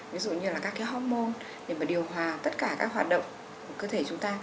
ví dụ như là các cái homon để mà điều hòa tất cả các hoạt động của cơ thể chúng ta